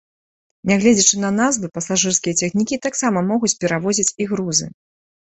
Нягледзячы на назвы, пасажырскія цягнікі таксама могуць перавозіць і грузы.